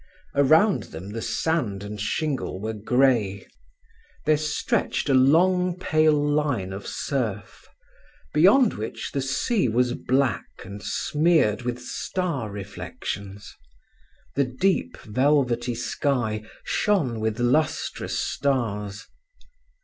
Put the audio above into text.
Around them the sand and shingle were grey; there stretched a long pale line of surf, beyond which the sea was black and smeared with star reflections. The deep, velvety sky shone with lustrous stars.